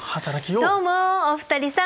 どうもお二人さん！